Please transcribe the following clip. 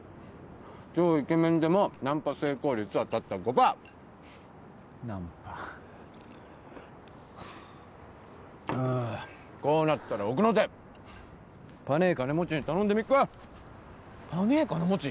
超イケメンでもナンパ成功率はたった５パーナンパあこうなったら奥の手ぱねぇ金持ちに頼んでみっかぱねぇ金持ち？